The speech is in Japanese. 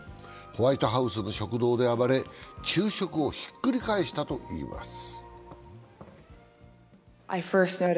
ホワイトハウスの食堂で暴れ昼食をひっくり返したといいます。